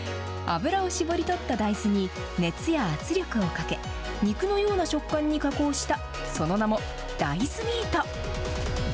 油を搾り取った大豆に、熱や圧力をかけ、肉のような食感に加工した、その名も、大豆ミート。